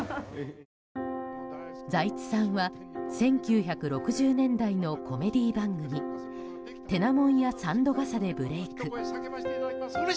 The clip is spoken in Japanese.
財津さんは１９６０年代のコメディー番組「てなもんや三度笠」でブレーク。